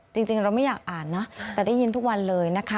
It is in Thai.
จริงเราไม่อยากอ่านนะแต่ได้ยินทุกวันเลยนะคะ